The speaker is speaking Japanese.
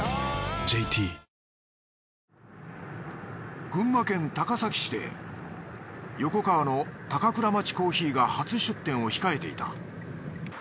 ＪＴ群馬県高崎市で横川の高倉町珈琲が初出店を控えていた。